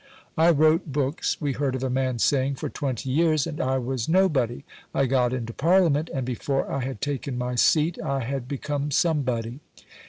"I wrote books," we heard of a man saying, "for twenty years, and I was nobody; I got into Parliament, and before I had taken my seat I had become somebody."